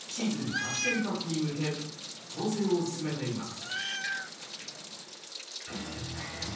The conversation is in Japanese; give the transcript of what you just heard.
初先発に向け調整を進めています。